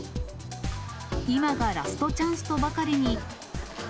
今がラストチャンスとばかりに。